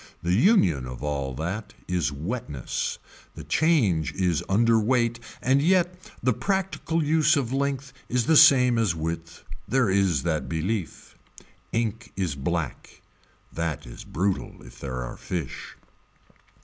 The union of all that is wetness, the change is underweight and yet the practical use of length is the same as width. There is that belief. Ink is black. That is brutal if there are fish.